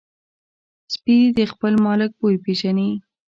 سپي د خپل مالک بوی پېژني.